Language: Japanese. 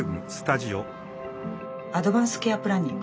「アドバンス・ケア・プランニング